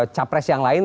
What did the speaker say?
capres yang lain